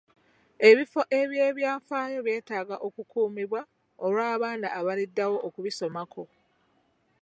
Ebifo eby'ebyafaayo byetaaga okukuumibwa olw'abaana abaliddawo okubisomako.